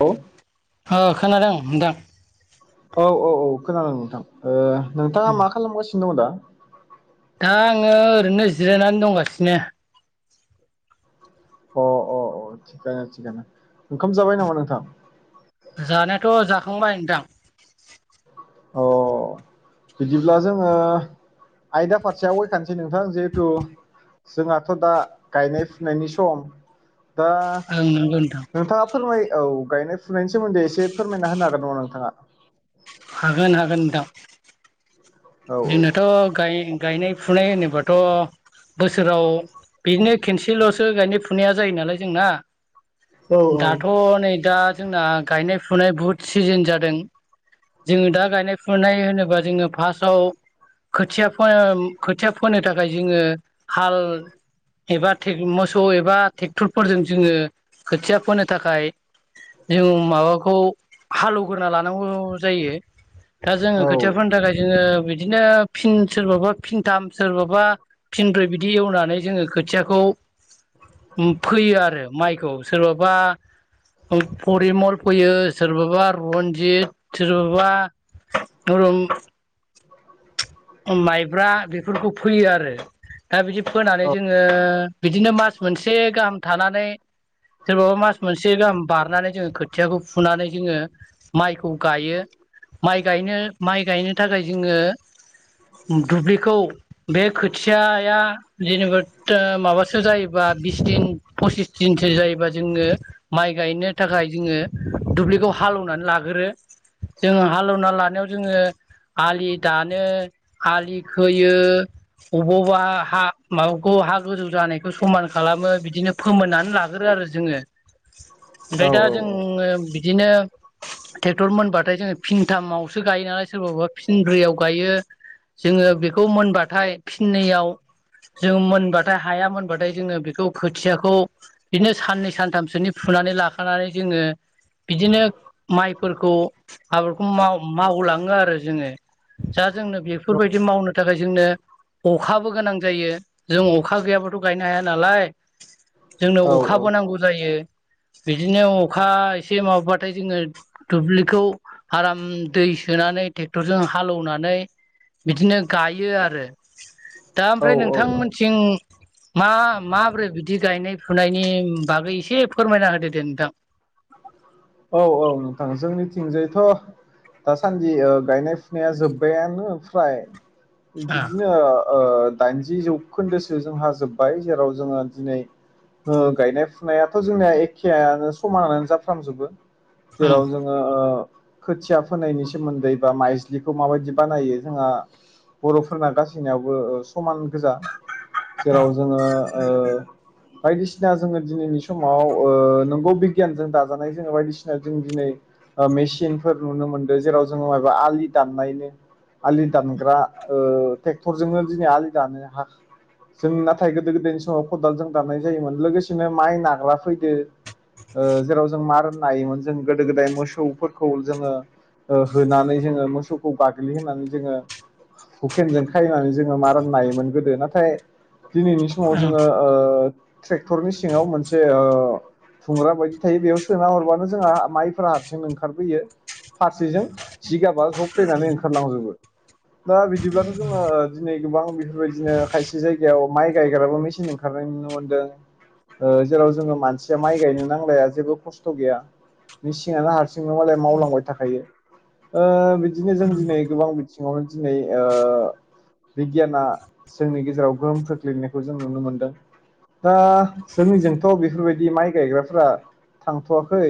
औ आ खोनादों नोंदां। औ औ खोनादों नोंथां ओ नोंथाङा मा खालामगासिनो दङ दा। दा आङो ओरैनो जिरायनानै दंगासिनो अह अह अह थिखानो थिखानो ओंखाम जाबाय नामा नोंथां जानायाथ' जाखांबाय नोंथां अ बिदिब्ला जोङो आयदा फारसे आवगायखानोसै नोंथां जिहेथु जोंहाथ' दा गायनाय फुनायनि सम दा ओं नंगौ नोंथां नोंथाङा फोरमाय औ गायनाय फुनायनि सोमोन्दै। एसे फोरमायना होनो हागोन नामा नोंथाङा? हागोन - हागोन नोंथां। औ जोंनोथ' गाय - गायनाय फुनाय होनोबाथ' बोसोराव बिदिनो खनसेल'सो गायनाय फुनाया जायो नालाय जोंना। औ दाथ' नै दा जोंना गायनाय फुनाय बुहुद सिजोन जादों। जोङो दा गायनाय फुनाय होनोबा जोङो फार्स्ट- आव खोथिया फोन खोथिया फोनो थाखाय जोङो हाल एबा मोसौ एबा ट्रेक्टरफोरजों जोङो खोथिया फोनो थाखाय जों माबाखौ हालौवग्रा लानांगौ जायो। दा जोङो खोथियाफोरनि थाखाय जोङो बिदिनो फिन सोरबाबा फिनथाम, सोरबाबा फिनब्रै बिदि एवनानै जोङो खोथियाखौ फोयो आरो माइखौ सोरबाबा परिमल फैयो, सोरबाबा रनजित, सोरबाबा धोरोम माइब्रा बेफोरखौ फैयो आरो दा बिदि फोनानै जोङो बिदिनो मास मोनसे गाहाम थानानै, सोरबाबा मास मोनसे गाहाम बारनानै जोङो खो खोथियाखौ फुनानै जोङो माइखौ गायो। माइ गायनो माइ गायनो नो थाखाय जोङो दुब्लिखौ बे खोथियाया जेनेबा माबासो जायोबा बिस दिन, फसिस दिनसो जायोबा जोङो माइ गायनो थाखाय जोङो दुब्लिखौ हालेवनानै लाग्रोयो जोङो हालेवना लानायाव जोङो आलि दानो, आलि खोयो, अबेबा अबा हा माबाखौ हा गोजौ जानायखौ समान खालामो बिदिनो फोमोननानै लाग्रो आरो जोङो औ ओमफ्राय दा जोंङो। बिदिनो ट्रेक्टर मोनबाथाय जोङो फिनथामावसो गायो नालाय सोरबाबा फिनब्रैयाव गायो जोङो बेखौ मोनबाथाय फिननैयाव जों मोनबाथाय हाया मोनबाथाय जोङो बेखौ खोथियाखौ बिदिनो साननै सानथामसोनि नानै लाखानानै जोङो बिदिनो माइ फोरखौ आबादखौ माव- मावलाङो आरो जोङो दा जोंनो बेफोरबायदि मावनो थाखाय जोंनो अखाबो गोनां जायो। जों अखा गैयाबाथ' गायनो हाया नालाय! जोंनो अखाबो नांगौ जायो। बिदिनो अखा एसे माबाथाय जोङो दुब्लिखौ आराम दै सोनानै ट्रेक्टरजों हालौवनानै बिदिनो गायो आरो। दा औ ओमफ्राय औ औ नोंथांमोनथिं मा माब्रै बिदि गायनाय फुनायनि बागै एसे फोरमायना होदो दे नोंथां। औ-औ नोंथां। जोंनिथिंजायथ' दासानदि ओ गायनाय फुनाया जोब्बायानो फ्राय ओ बिदिनो ओ दाइनजि जौखोन्दोसो जोंहा जोबबाय जेराव जोङो दिनै ओ गायनाय फुनायाथ' जोंनिया एखेयानो समानानो जाफ्रामजोबो। ओं जेराव जोङो ओ [unintelligible] खोथिया फोनायनि सोमोन्दै बा! माइज्लिखौ माबायदि बानायो जोंहा? बर'फोरना गाससिनायावबो समान गोजा। जेराव जोङो ओ बायदिसिना जोङो दिनैनि समाव ओ नोंगौ बिगियानजों दाजानाय जोङो बायदिसिना ना जों दिनै मेसिनफोर नुनो मोन्दों जेराव जोङो मबा आलि दाननायनो आलि दानग्रा ओ ट्रेक्टरजोंनो दिनै आलि दानो। हा जों नाथाय गोदो-गोदायनि समाव खदालजों दाननाय जायोमोन लोगोसेनो माइ नाग्ग्रा फैदों। ओ जेराव जों मार होननो हायोमोन जों गोदो गोदाय मोसौफोरखौ जोङो ओ होनानै जोंङो मोसौखौ गाग्लिहोनानै जोंङो हुकेनजों खायनानै जोंङो मा राननो हायोमोन गोदो नाथाय दिनैनि समाव ओं जोंङो ओ ट्रेक्टरनि सिङाव मोनसे ओ थुंग्रा बायदि थायो बेयाव सोना हरबानो नो जोंहा माइफोरा हारसिंनो ओंखारबोयो फारसेजों जिगाबा ज फैनानै ओंखारलांजोबो दा बिदिब्लाथ जोंङो दिनै गोबां बेफोरबायदिनो खायसे जायगायाव माइ गायग्राबो मेसिन ओंखारनाय नुनो मोनदों ओ जेराव जोंङो मानसिया माइ गायनो नांलाया जेबो खस्थ गैया। मिसिनानो हारसिङनो मालाय मावलांबाय थाखायो ओ बिदिनो जों दिनै गोबां सिङावनो दिनै ओ बिगियाना जोंनि गेजेराव गोहोम खोख्लैनायखौ जों नुनो मोनदों। दा जोंनिजोंथ बेफोरबायदि माइ गायग्राफ्रा थांथवाखै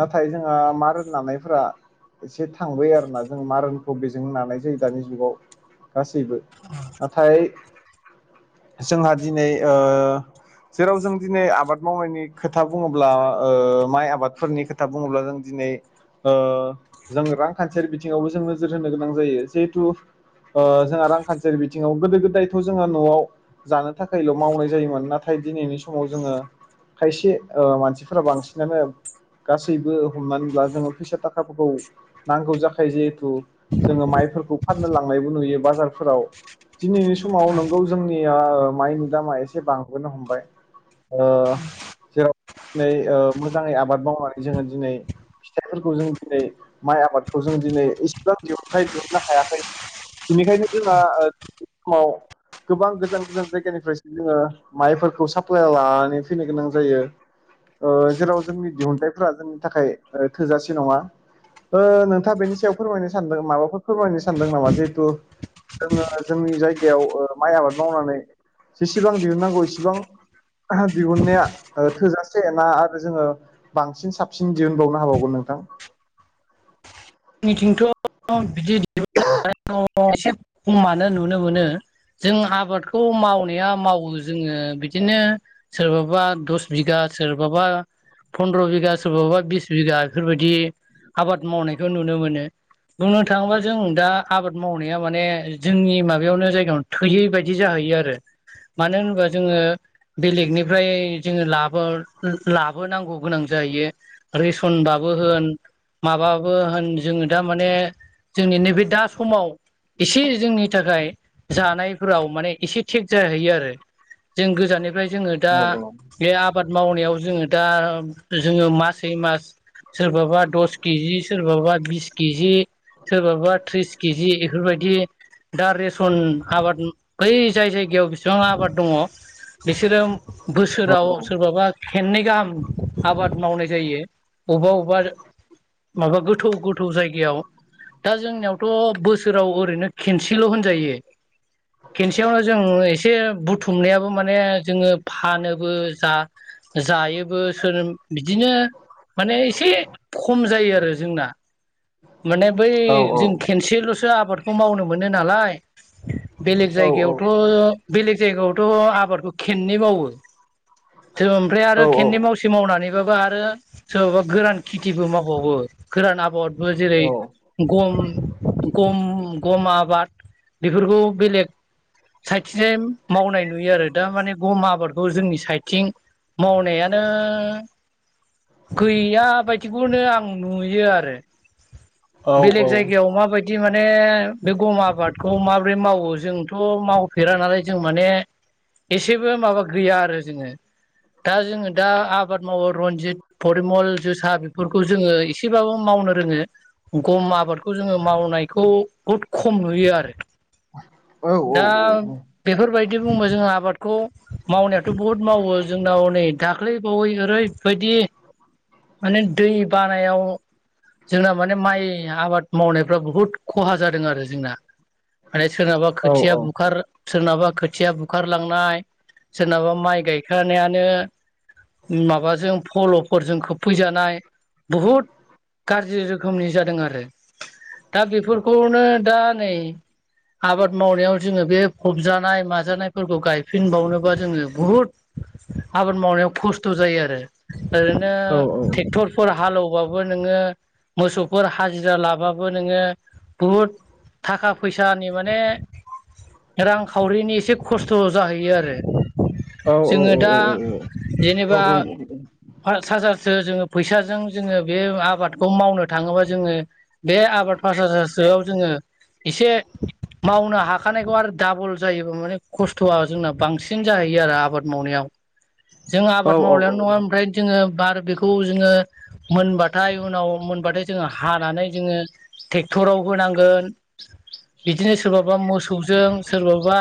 नाथाय जोंङो मा रोनायफोरा एसे थांबाय आरो ना जों मारुनखौ बेजों लानाय जायो दानि जुगाव गासैबो नाथाय जोंहा दिनै ओ जेराव जों दिनै आबाद मावनायनि खोथा बुङोब्ला ओ माइ आबाद फोरनि खोथा बुङोब्ला जों दिनै ओ जों रांखान्थियारि बिथिङावबो जों नोजोर होनो गोनां जायो जिहेथु ओ जोंहा रांखान्थियारि बिथिङाव गोदो गोदायथ जोंङो नआव जानो थाखायल मावनाय जायोमोन नाथाय दिनैनि समाव जोंङो खायसे ओ मानसिफोरा बांसिनानो गासैबो हमनानै ला जोंङो फैसा थाखाफोरखौ नांगौ जाखायो जिहेथु जोंङो माइ फोरखौ फाननो लांनायबो नुयो बाजारफोराव दिनै समाव नोंगौ जोंनिया माइनि दामा एसे बांबोनो हमबाय ओ जेराव ओ दिनै ओ मोजाङै आबाद माव जोंङो दिनै फिथाइफोरखौ जों दिनै माइ आबादखौ जों दिनै इसेबां दिहुनथायाइ दिहुननो हाबा थायाखै बेनिखायनो जोंहा समाव गोबां गोजान गोजान जायगानिफ्रायसो जोंङो माइफोरखौ साप्लाइ लानानै फैनो गोनां जायो। ओ जेराव जोंनि दिहुनथाइफोरा जोंनि थाखाय थोजासे नङा। ओ नोंथाङा बेनि सायाव फोरमायनो सानदों माबाफोर फोरमायनो सानदों नामा जिहेतु जोंङो जोंनि जायगायाव ओ माइ आबाद मावनानै जेसेबां दिहुननांगौ इसेबां दिहुननाया थोजासे ना आरो जोंङो बांसिन साबसिन दिहुनबावनो हाबावगोन नोंथां? आंनिथिंथ' [unintelligible] खमानो नुनो मोनो जों आबादखौ मावनाया मावो जोंङो बिदिनो सोरबाबा दस बिगा सोरबाबा फनद्र बिगा सोरबाबा बिस बिगा बिफोरबायदि आबाद मावनाय बेखौ नुनो मोनो बुंनो थाङोबा जों दा आबाद मावनाया माने जोंनि माबायावनो जायगायाव थोयै बायदि जाहैयो आरो मानो होनोबा जोंङो बेलेगनिफ्राय जोंङो ला लाबोनांगौ गोनां जाहैयो रेसनबाबो होन माबा होन जोंङो दा माने जोंनि नैबे दा समाव एसे जोंनि थाखाय जानायफोराव माने एसे थेक जाहैयो आरो जों गोजाननि ओमफ्राय जोंङो दा बे आबाद मावनायाव जोङो दा जोंङो मासै मास सोरबाबा दस केजि सोरबाबा बिस केजि सोरबाबा त्रिस केजि बेफोरबायदि दा रेसन आबाद बै जाय जायगायाव बिसिबां आबाद दङ बिसोरो बोसोराव सोरबाबा खेननै गाहाम आबाद मावनाय जायो। अबेबा अबेबा माबा गोथौ गोथौ जायगायाव दा जोंनियावथ बोसोराव ओरैनो खेनसेल होनजायो खेनसेयावनो जों एसे बुथुमनायाबो माने जोङो फानोबो जा जायोबो सोर बिदिनो माने एसे खम जायो आर जोंना माने बै औ जों खेनसेलसो आ बादखौ मावनो मोनो नालाय बेलेग औ जायगायावथ' बेलेग जायगायावथ' आबादखौ खेननै मावो ओमफ्राय आरो औ खेननै मावसे मावनानै सोरबाबा आरो सोरबाबा गोरान खेथिबो मावबावो गोरान आबाद जेरै गम गम गम आबाद बेफोरखौ बेलेग साइथिं मावनाय नुयो आरो दा माने गम आबाद बेखौ जोंनि साइथिं मावनायानो गैया बायदिखौनो आं नुयो आरो औ बेलेग औ जायगायाव मा बाय दि माने बे गम आबादखौ माबोरै मावो जोंथ' मावफेरा नालाय जों माने एसेबो माबा गैया आरो जोङो दा जोङो दा आबाद मावो रनजित फरिमल जोसा बेफोरखौ जोङो एसेबाबो मावनो रोङो गम आबादखौ जोङो मावनायखौ बुहुद खम नुयो आरो औ दा बेफोर बाय दि बुंबा जों आबादखौ मावनायाथ' बुहुद मावो जोंनाव हनै दाख्लै बावै ओरै बायदि माने दै बानायाव जोंना माने माइ आबाद मावनायफ्रा बुहुद खहा जादों आरो जोंना माने सोरनाबा खोथिया बुखार सोरनाबा खोथिया बुखारलांनाय सोरनाबा माइ गायखानायानो माबाजों फल'फोरजों खोबफैजानाय बुहुद गाज्रि रोखोमनि जादों आरो दा बेफोरखौनो दा नै आबाद मावनायाव जोङो बे फबजानाय माजानायफोरखौ गायफिनबावनोबा जोङो बुहुद आबाद मावनायाव खस्थ' जायो आरो ओरैनो ट्रेक्टरफोर हालौबा बो नोङो मोसौफोर हाजिरा लाबाबो नोङो बुहुद थाखा फैसानि माने रांखावरिनि एसे खस्थ' जाहैयो आरो जोङो दा जेनेबा पास हाजार सो जोङो फैसाजों जोङो बे आबादखौ मावनो थाङोबा जोङो बे आबाद फासहाजारसोआव जोङो एसे मावनो हाखानायखौ आरो दाबुल जायो माने खस्थ'आ जोंना बांसिन जाहैयो आरो आबाद मावनायाव जों आबाद मावनायानो नोङा ओमफ्राय जोङो बार बेखौ जोङो मोनबाथाय उनाव मोनबाथाय जोङो हानानै जोङो ट्रेक्टराव होनांगोन बिदिनो सोरबाबा मोसौजों सोरबाबा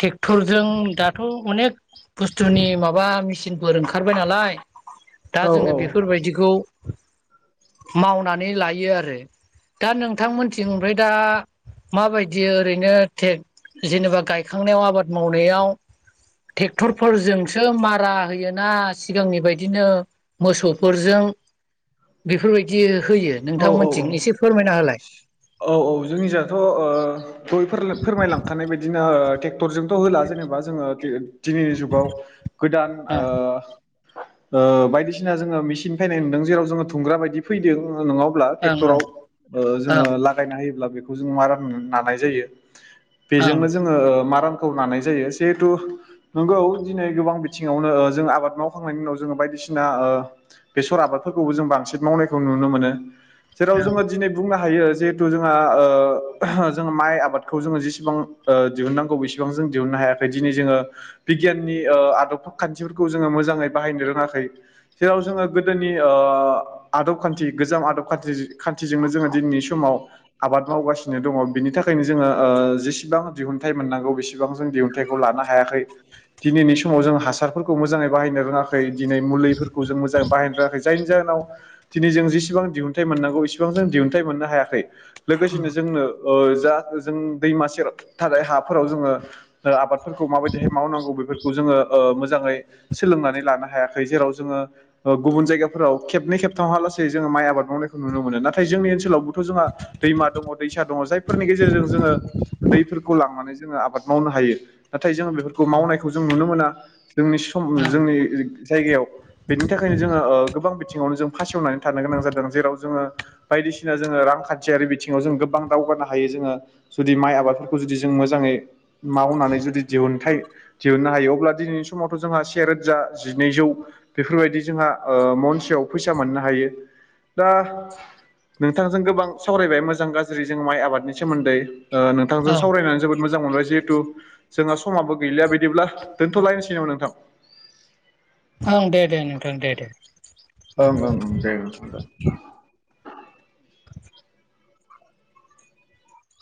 ट्रेक्टरजों दाथ' अनेक बुस्थुनि माबा मेचिनफोर ओंखारबाय नालाय दा जोङो बेफोरबायदिखौ [inaudible] मावनानै लायो आरो दा नोंथांमोनथिं ओमफ्राय दा माबायदि ओरैनोे टेक जेनेबा गायखांनायाव आबाद मावनायाव ट्रेक्टरफोरजोंसो मारा होयोना सिगांनि बायदिनो मोसौफोरजों बेफोर बायदि औ औ औ औ औ जोंनि जाथ' ओ गयफोर फोरमायलांखानाय बायदिनो ट्रेक्टरजोंथ' होला जेनेबा जोङो दिनै जुगाव गोदान ओं ओ ओ बायदिसिना जोङो मेसिन फैनाय नुदों जेराव जोङो धुंग्रा बायदि फैदों नोंनाव ओं ओं [inaudible] ओं ओं बेजोंनो जोङो मारामखौ लानाय जायो जिहेथु नंगौ दिनै गोबां बिथिङावनो जों आबाद मावखांनायनि उनाव जोङो बायदिसिना बेसर आबाद [inaudible] जेहेथु जों जों माइ आबादखौ जोङो जेसेबां दिहुननांगौ बेसेबां जों दिहुनांग नो हायाखै दिनै जोङो बिगियाननि आदब खान्थिफोरखौ जोङो मोजाङै बाहायनो रोङाखै जेराव जोङो गोदोनि आदब खान्थि गोजाम आदब खान्थि खान्थिजोंनो जोङो दिनैनि समाव आबाद मावगासिनो दङ बिनि थाखायनो जोङो जेसेबां दिहुनथाइ मोननांगौ बेसेबां जों दिहुनथाइखौ लानो हायाखै दिनैनि समाव जों हासार मोजाङै बाहायनो रोङाखै दिनै मुलिफोरखौ जों मोजै बायनो रोङै जायनि जाहोनावै जों इसिबां दिहुनथाइ मोननांगौ इसिबां जों दिहुनथाइ मोननो हायाखै लोगोसेनो जोंनो जा जों दैमासे थानाय हाफोराव जोङो आबाद माबायदिहाय मावनांगौ बेफोरखौ जो मोजाङै सोलोंनानै लानो हायाखै जेराव जोङो गुबुन जायगाफोराव ख [inaudible] जोङो माइ आबाद मावनायखौ नुनो मोनो नाथाय जोंनि ओनसोलावबोथ' जोंहा दैमा दङ दैसा दङ जायफोरनि गेजेरजों जोङो दैफोरखौ लांनानै जोङो आबाद मावनो हायो। नाथाय जोङो बेफोरखौ मावनायखौ जों नुनो मोना जोंनि सम ओं जोंनि जायगायाव बेनि थाखायनो जोङो गोबां बिथिङावनो जों फासेवनानै थानो गोनां जादों जेराव जोङो बायदिसिना जोङो रांखान्थियारि बिथिङाव जों गोबां दावगानो हायो जोङो जुदि माइ आबादफोरखौ जुदि जों मोजाङै मावनानै जुदि दिहुनथाय दिहुननो हायो अब्ला दिनै बे समावथ' जोंहा सेेरोजा जिनैजौ बेफोरबायदि जोंहा महनसेयाव फैसा मोननो हायो। दा नोंथांजों गोबां सावरायबाय मोजां गाज्रि जों माइ आबादनि सोमोन्दै नोंथांजों ओं ओं सावरायनानै जोबोद मोजां मोनबाय जिहेतु जोंहा समाबो गैलिया बायदिब्ला दोनथ'लायनोसै नामा नोंथां? [inaudible] ओं दे दे दे दे उम ओं ओं दे दा [inaudible]